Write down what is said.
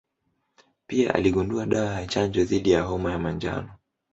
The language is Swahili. Pia aligundua dawa ya chanjo dhidi ya homa ya manjano.